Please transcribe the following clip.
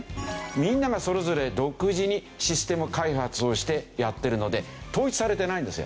みんながそれぞれ独自にシステム開発をしてやってるので統一されてないんですよ。